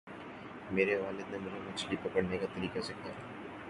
میرے والد نے مجھے مچھلی پکڑنے کا طریقہ سکھایا۔